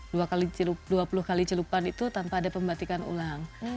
dua kali dua puluh kali celupan itu tanpa ada pembatikan ulang